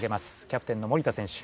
キャプテンの森田選手。